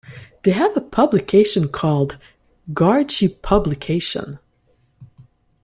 They have a publication called 'Gargi publication'.